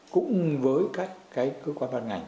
cũng với các cơ quan văn ngành